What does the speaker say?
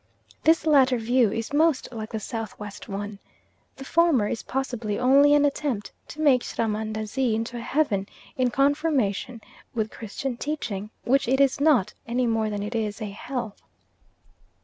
This latter view is most like the South West one. The former is possibly only an attempt to make Srahmandazi into a heaven in conformation with Christian teaching, which it is not, any more than it is a hell.